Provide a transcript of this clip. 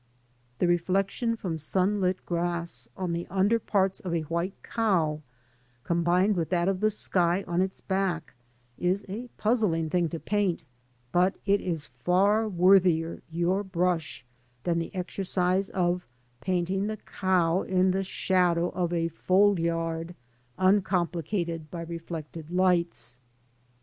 The reflection from sunlit grass on the under parts of a white cow, combined with that of the sky on its back, is a puzzling thing in paint ; but it is far worthier your brush than the exercise of painting the cow in the shadow of a fold yard, uncomplicated by reflected lights.